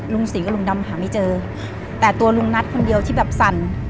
ลุงศรีกับลุงดำหาไม่เจอแต่ตัวลุงนัทคนเดียวที่แบบสั่น